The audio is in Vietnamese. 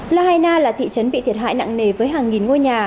lahaina là thị trấn bị thiệt hại nặng nề với hàng nghìn ngôi nhà